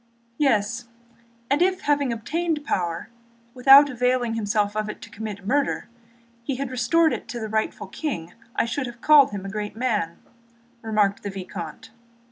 "Yes, if having obtained power, without availing himself of it to commit murder he had restored it to the rightful king, I should have called him a great man," remarked the vicomte.